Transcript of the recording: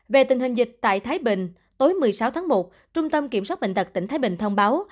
về tình hình dịch tại thái bình tối một mươi sáu tháng một trung tâm kiểm soát bệnh tật tỉnh thái bình thông báo